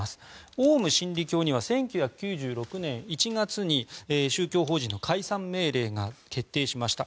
オウム真理教には１９９６年１月に宗教法人の解散命令が決定しました。